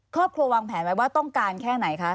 ครอบครัววางแผนไหมว่าต้องการแค่ไหนคะ